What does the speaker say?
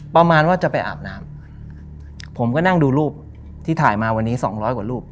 ประมาณว่าจะไปอาบน้ำผมก็นั่งดูรูปที่ถ่ายมาวันนี้สองร้อยกว่ารูป